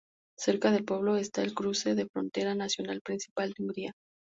Cerca del pueblo está el cruce de frontera nacional principal a Hungría.